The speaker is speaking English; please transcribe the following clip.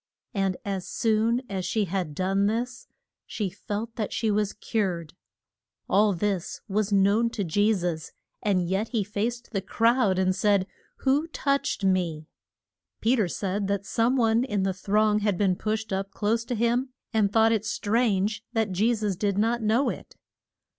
And as soon as she had done this she felt that she was cured. All this was known to Je sus, and yet he faced the crowd and said, Who touched me? Pe ter said that some one in the throng had been pushed up close to him and thought it strange that Je sus did not know it.